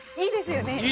いいですよね？